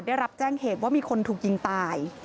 ได้รับแจ้งเหตุว่ามีคนถูกยิงตาย